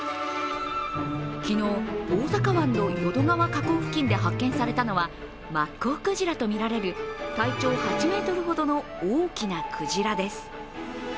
昨日、大阪湾の淀川河口付近で発見されたのはマッコウクジラとみられ体長８ｍほどの大きなクジラです。